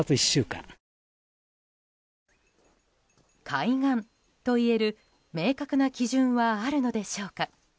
開眼といえる明確な基準はあるのでしょうか。